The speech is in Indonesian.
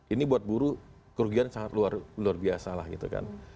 ini buat buruh kerugian sangat luar biasa lah gitu kan